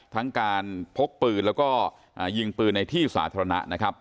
ทั้งการพกปืนแล้วก็ยิงปืนในที่สาธารณะนะครับ